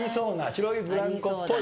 『白いブランコ』っぽい。